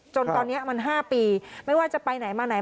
จนตอนนี้มัน๕ปีไม่ว่าจะไปไหนมาไหน